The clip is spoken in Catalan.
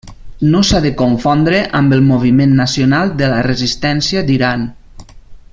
No s'ha de confondre amb el Moviment Nacional de la Resistència d'Iran.